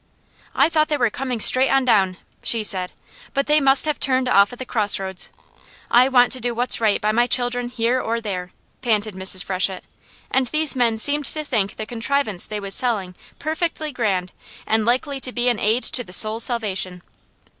"I thought they were coming straight on down," she said, "but they must have turned off at the cross roads. I want to do what's right by my children here or there," panted Mrs. Freshett, "and these men seemed to think the contrivance they was sellin' perfectly grand, an' like to be an aid to the soul's salvation.